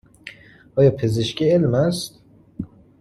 آیا پزشکی علم است؟